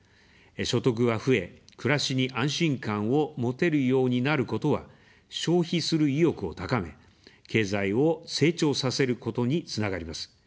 所得が増え、暮らしに安心感を持てるようになることは、消費する意欲を高め、経済を成長させることにつながります。